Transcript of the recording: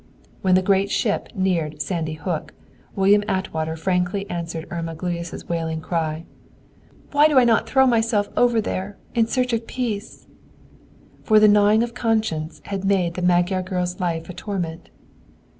When the great ship neared Sandy Hook, William Atwater frankly answered Irma Gluyas' wailing cry, "Why do I not throw myself over there, in search of peace?" For the gnawing of conscience had made the Magyar girl's life a torment.